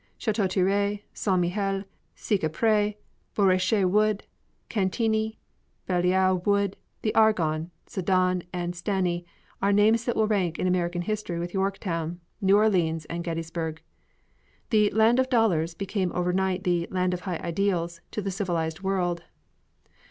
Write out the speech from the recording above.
Chateau Thierry, St. Mihiel, Siecheprey, Boureches Wood, Cantigny, Belleau Wood, the Argonne, Sedan and Stenay are names that will rank in American history with Yorktown, New Orleans and Gettysburg. The "land of dollars" became over night the "land of high ideals" to the civilized world.